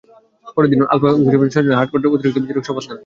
পরের দিন আলতাফ হোসেনসহ ছয়জন হাইকোর্টের অতিরিক্ত বিচারক হিসেবে শপথ নেন।